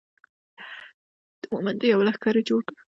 د مومندو یو لښکر یې جوړ کړ.